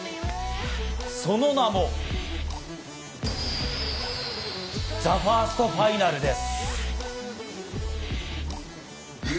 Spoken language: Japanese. その名も、ＴＨＥＦＩＲＳＴＦＩＮＡＬです。